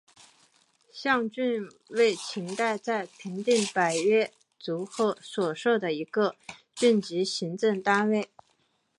象郡为秦代在平定百越族后所设的一个郡级行政单位。